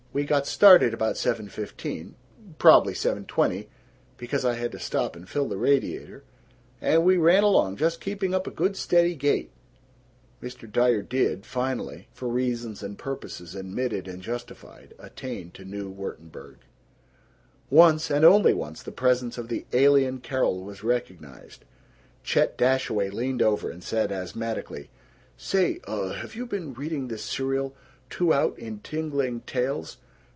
We got started about seven fifteen, prob'ly seven twenty, because I had to stop and fill the radiator, and we ran along, just keeping up a good steady gait " Mr. Dyer did finally, for reasons and purposes admitted and justified, attain to New Wurttemberg. Once only once the presence of the alien Carol was recognized. Chet Dashaway leaned over and said asthmatically, "Say, uh, have you been reading this serial 'Two Out' in Tingling Tales?